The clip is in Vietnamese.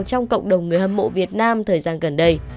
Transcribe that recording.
trong cộng đồng người hâm mộ việt nam thời gian gần đây